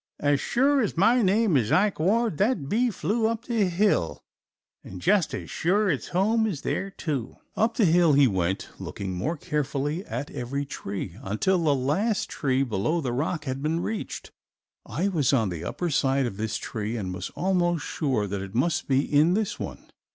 "As sure as my name is Ike Ward that bee flew up the hill, and just as sure its home is there, too." Up the hill he went, looking more carefully at every tree, until the last tree below the rock had been reached. I was on the upper side of this tree and was almost sure that it must be in this one.